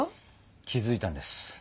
気付いたんです。